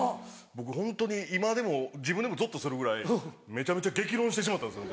僕ホントに今でも自分でもぞっとするぐらいめちゃめちゃ激論してしまったんです。